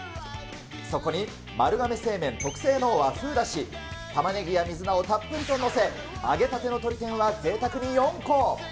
そこに丸亀製麺特製の和風だし、玉ねぎや水菜をたっぷりと載せ、揚げたての鶏天はぜいたくに４個。